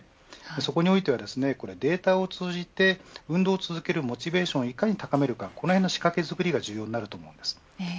そこについては、データを通じて運動を続けるモチベーションをいかに高めるかこの辺の仕掛けづくりが重要になります。